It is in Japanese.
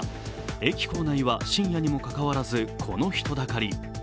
駅構内は深夜にもかかわらず、この人だかり。